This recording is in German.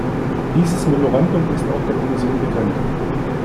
Dieses Memorandum ist auch der Kommission bekannt.